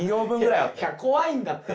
いや怖いんだって。